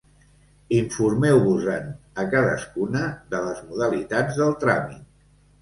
Informeu-vos-en a cadascuna de les modalitats del tràmit.